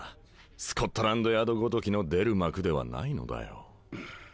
スコットランドヤードごときの出る幕ではないのだよ。